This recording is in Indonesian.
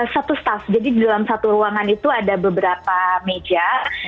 satu staff jadi di dalam satu ruangan itu ada beberapa meja